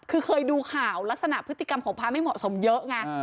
คือเคยดูข่าวลักษณะพฤติกรรมของพระไม่เหมาะสมเยอะไง